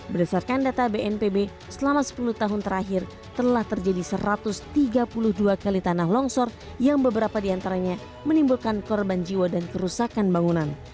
berdasarkan data bnpb selama sepuluh tahun terakhir telah terjadi satu ratus tiga puluh dua kali tanah longsor yang beberapa diantaranya menimbulkan korban jiwa dan kerusakan bangunan